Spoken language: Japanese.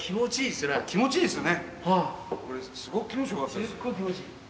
すっごい気持ちいい。